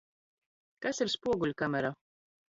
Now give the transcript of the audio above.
Kas ir spoguļkamera?